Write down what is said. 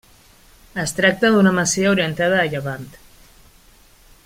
Es tracta d'una masia orientada a llevant.